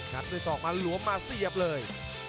ด้วยศอกมาหลวมมาเสียบเลย